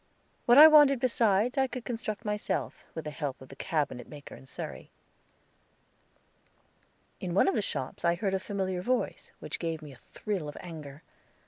What I wanted besides I could construct myself, with the help of the cabinet maker in Surrey. In one of the shops I heard a familiar voice, which gave me a thrill of anger.